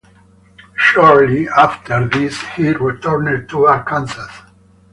Shortly after this he returned to Arkansas.